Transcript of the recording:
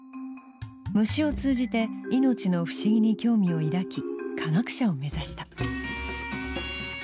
虫を通じて命の不思議に興味を抱き科学者を目指した。